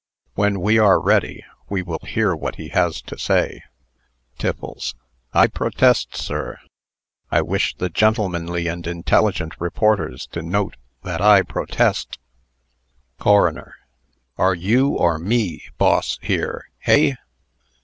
When we are ready, we will hear what he has to say." TIFFLES. "I protest, sir. I wish the gentlemanly and intelligent reporters to note that I protest " CORONER. "Are you, or me, boss here, hey?"